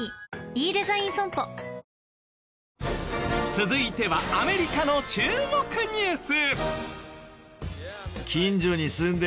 続いてはアメリカの注目ニュース！